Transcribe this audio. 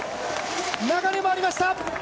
流れもありました！